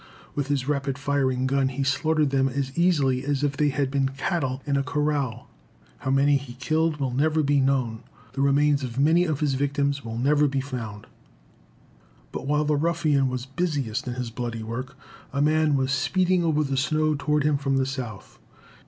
With his rapid firing gun he slaughtered them as easily as if they had been cattle in a corral. How many he killed will never be known. The remains of many of his victims will never be found. [Illustration: IN YELLOWSTONE PARK SNOWS.] But while the ruffian was busiest in his bloody work, a man was speeding over the snow toward him from the south.